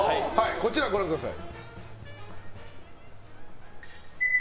こちらご覧ください。